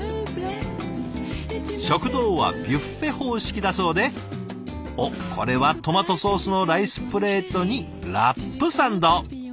食堂はビュッフェ方式だそうでおっこれはトマトソースのライスプレートにラップサンド。